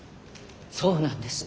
そうなんです。